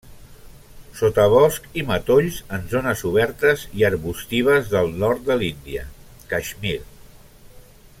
Sotabosc i matolls en zones obertes i arbustives del nord de l'Índia, Caixmir.